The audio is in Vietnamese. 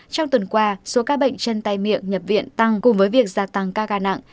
trong tuần qua số ca bệnh chân tay miệng nhập viện tăng cùng với việc gia tăng ca nặng